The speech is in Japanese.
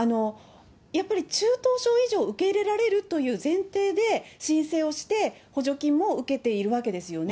やっぱり中等症以上受け入れられるという前提で、申請をして補助金も受けているわけですよね。